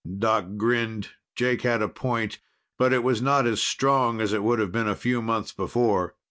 Doc grinned. Jake had a point, but it was not as strong as it would have been a few months before.